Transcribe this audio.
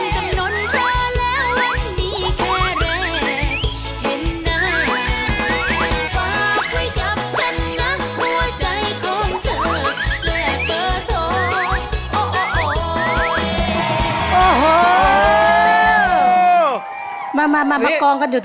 ท่านกำลังเข้าสู่บริการรักษาหัวใจ